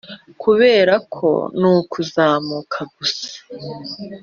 kuberako nukuzamuka gusa